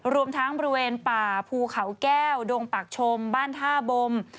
รวมทั้งบริเวณป่าภูเขาแก้วดงปากชมบ้านท่าบม